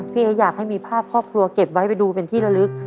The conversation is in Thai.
พี่เอ๊อยากให้มีภาพครอบครัวเก็บไว้ไปดูเป็นที่ละลึก